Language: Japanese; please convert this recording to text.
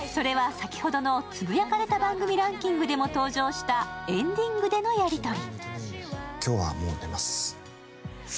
先ほどの「つぶやかれた番組ランキング」でも登場したエンディングでのやりとり。